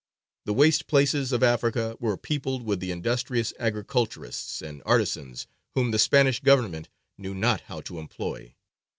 The waste places of Africa were peopled with the industrious agriculturists and artisans whom the Spanish Government knew not how to employ.